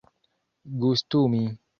gustumi